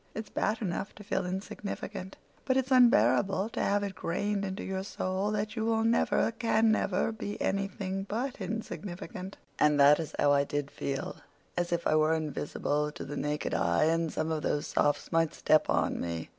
It's bad enough to feel insignificant, but it's unbearable to have it grained into your soul that you will never, can never, be anything but insignificant, and that is how I did feel—as if I were invisible to the naked eye and some of those Sophs might step on me.